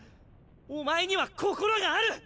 お前には心がある！